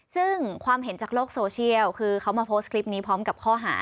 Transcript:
ซึ่งความเห็นจากโลกโซเชียลคือเขามาโพสต์คลิปนี้พร้อมกับข้อหา